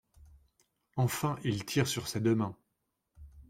Enfin, il tire sur ses deux mains.